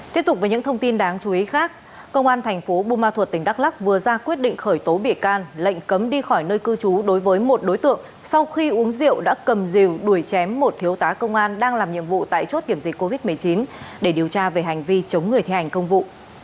tiếp tục với những thông tin đáng chú ý khác công an thành phố bùa ma thuật tỉnh đắk lắc vừa ra quyết định khởi tố bị can lệnh cấm đi khỏi nơi cư trú đối với một đối tượng sau khi uống rượu đã cầm rìu đuổi chém một thiếu tá công an đang làm nhiệm vụ tại chốt kiểm dịch covid một mươi chín để điều tra về hành vi chống người thi hành công vụ